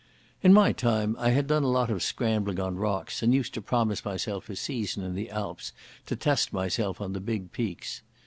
In my time I had done a lot of scrambling on rocks and used to promise myself a season in the Alps to test myself on the big peaks.